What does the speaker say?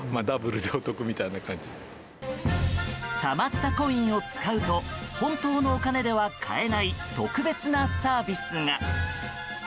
たまったコインを使うと本当のお金では買えない特別なサービスが。